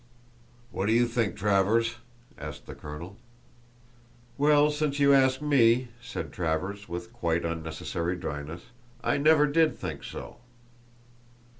"What do you think, Travers?" asked the colonel. "Well, since you ask me," said Travers, with quite unnecessary dryness, "I never did think so."